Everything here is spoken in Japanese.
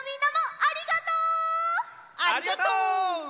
ありがとう！